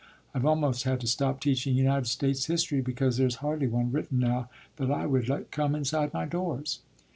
I've almost had to stop teaching United States history because there is hardly one written now that I would let come inside my doors."